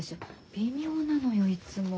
微妙なのよいつも。